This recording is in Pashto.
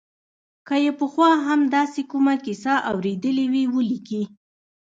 که یې پخوا هم داسې کومه کیسه اورېدلې وي ولیکي.